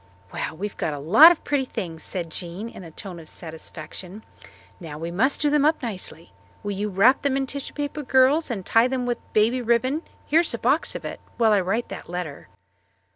"Well, we've got a lot of pretty things," said Jean in a tone of satisfaction. "Now we must do them up nicely. Will you wrap them in tissue paper, girls, and tie them with baby ribbon here's a box of it while I write that letter?"